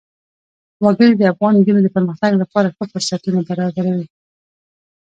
وګړي د افغان نجونو د پرمختګ لپاره ښه فرصتونه برابروي.